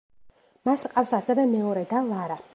მას ჰყავს ასევე მეორე და ლარა.